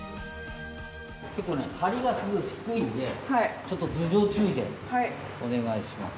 結構ね梁がすごい低いんでちょっと頭上注意でお願いします。